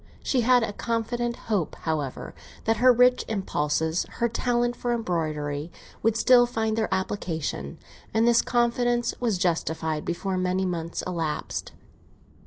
She had a confident hope, however, that her rich impulses, her talent for embroidery, would still find their application, and this confidence was justified before many months had elapsed.